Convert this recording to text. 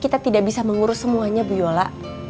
kita tidak bisa mengurus semuanya bu yola